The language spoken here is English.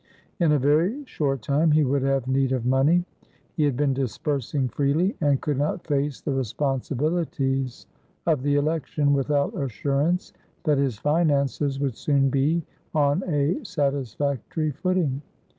In a very short time he would have need of money; he had been disbursing freely, and could not face the responsibilities of the election, without assurance that his finances would soon be on a satisfactory footing.